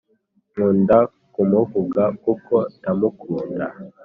Nkunda kumuvuga kuko ndamukunda